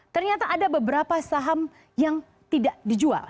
ternyata ada beberapa saham yang tidak dijual